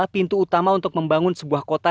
pintu utama untuk membangun sebuah kota